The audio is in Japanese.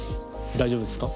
大丈夫ですか？